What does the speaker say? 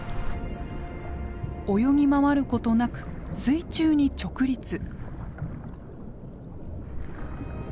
泳ぎ回ることなく水中に直立。